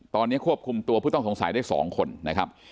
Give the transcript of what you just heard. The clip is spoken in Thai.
ตอนนี้ควบคุมตัวผู้ต้องสงสัยได้๒คนนะครับ